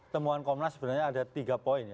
temuan komnas sebenarnya ada tiga poin ya